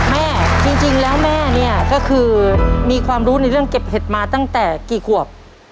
แม่จริงแล้วแม่เนี่ยก็คือมีความรู้ในเรื่องเก็บเห็ดมาตั้งแต่กี่ขวบ